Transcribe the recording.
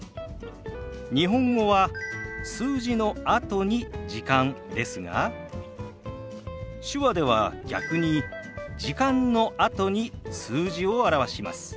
日本語は数字のあとに「時間」ですが手話では逆に「時間」のあとに数字を表します。